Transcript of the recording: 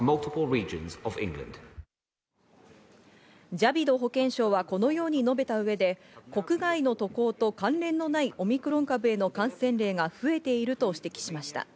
ジャビド保健相はこのように述べた上で、国外の渡航と関連のないオミクロン株への感染例が増えていると指摘しました。